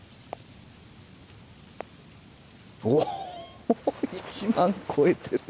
おっ１万超えてる！